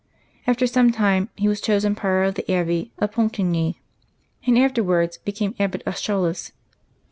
After some time he was chosen Prior of the Abbey of Pontigny, and afterwards became Abbot of Chaalis.